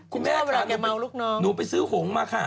คุณแม่ค่ะคุณแม่ค่ะงูไปซื้อหงนะค่ะ